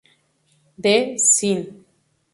De Sn.